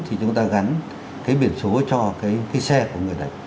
thì chúng ta gắn cái biển số cho cái xe của người đấy